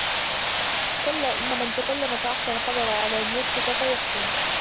كَلًّا إنَّ مَنْ تَكَلَّمَ فَأَحْسَنَ قَدَرَ عَلَى أَنْ يَسْكُتَ فَيُحْسِنَ